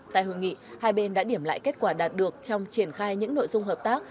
tại hội nghị hai bên đã điểm lại kết quả đạt được trong triển khai những nội dung hợp tác